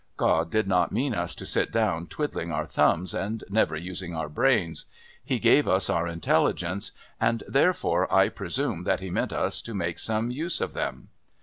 God did not mean us to sit down twiddling our thumbs and never using our brains. He gave us our intelligences, and therefore I presume that He meant us to make some use of them.